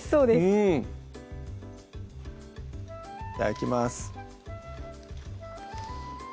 いただきます